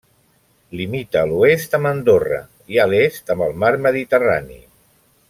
Limita a l'oest amb Andorra i a l'est amb el mar Mediterrani.